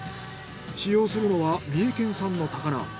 使用するのは三重県産の高菜。